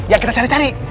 yang kita cari cari